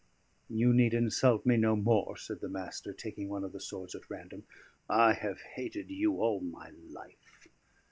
"You need insult me no more," said the Master, taking one of the swords at random. "I have hated you all my life."